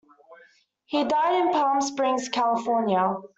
He died in Palm Springs, California.